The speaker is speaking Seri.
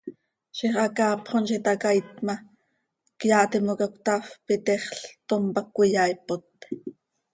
Ziix hacaapxom z itacaiit ma, cyaa timoca cötafp, itexl, tom pac cöyaaipot.